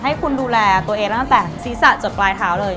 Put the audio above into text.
ให้คุณดูแลตัวเองตั้งแต่ศีรษะจนปลายเท้าเลย